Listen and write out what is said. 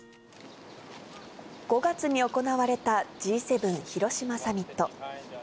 ５月に行われたＧ７広島サミット。